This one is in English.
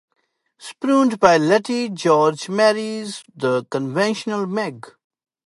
Spurned by Lettie, George marries the conventional Meg.